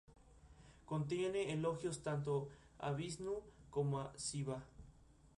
Contiene elogios tanto a Visnú como a Sivá.